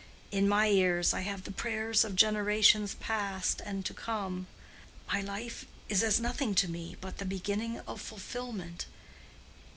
In my ears I have the prayers of generations past and to come. My life is as nothing to me but the beginning of fulfilment.